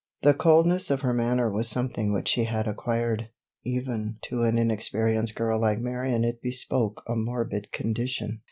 The coldness of her manner was something which she had acquired—even to an inexperienced girl like Marion it bespoke a morbid condition.